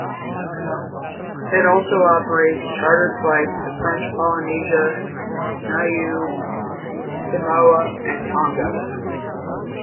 It also operates chartered flights to French Polynesia, Niue, Samoa and Tonga.